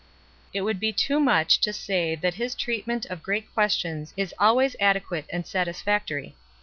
It would be too much to say that his treatment of great questions is always adequate and satisfactory.